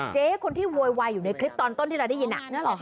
เจ๊คนที่โวยวายอยู่ในคลิปตอนต้นที่เราได้ยิน